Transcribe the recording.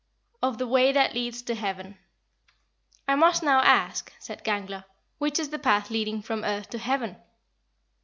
OF THE WAY THAT LEADS TO HEAVEN. 13. "I must now ask," said Gangler, "which is the path leading from earth to heaven?"